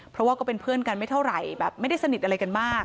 เพราะว่าก็เป็นเพื่อนกันไม่เท่าไหร่แบบไม่ได้สนิทอะไรกันมาก